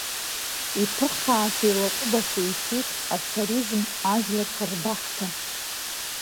Иԥыххааса, еилаҟубаса ицеит ацаризм ажәларқуа рбахҭа.